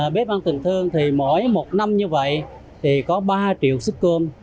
bếp ăn tình thương thì mỗi một năm như vậy thì có ba triệu xích cơm